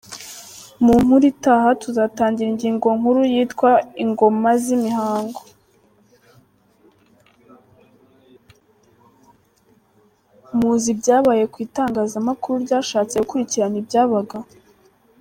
Muzi ibyabaye ku itangazamakuru ryashatse gukurikirana ibyabaga.